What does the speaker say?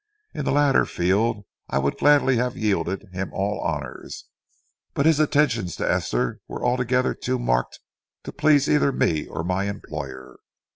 In the latter field I would gladly have yielded him all honors, but his attentions to Esther were altogether too marked to please either me or my employer.